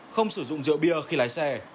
không sử dụng rượu bia khi lái xe